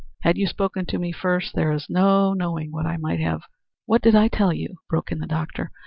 Had you spoken to me first, there is no knowing what I might have " "What did I tell you?" broke in the doctor.